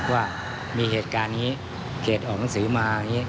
ว่ามีเหตุการณ์นี้เขตออกหนังสือมาอย่างนี้